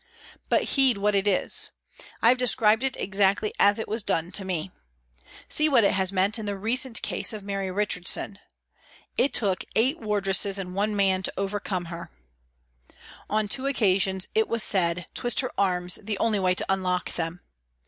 But heed what it is. I have described it exactly as it was done to me. See what it has meant in the recent case of Mary Richardson, It took eight wardresses and one man to overcome her. 336 PRISONS AND PRISONERS On two occasions it was said :" Twist her arms the only way to unlock them."